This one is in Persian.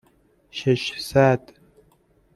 ششصد